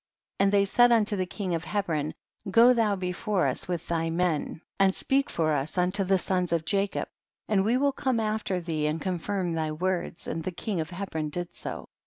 33. And they said unto the king of Hebron, go thou before us with thy men, and speak for us unto the 124 THE BOOK OF JASHER. sons of Jacob, and we will come af ter thee and confirm thy words, and the king of Hebron did so.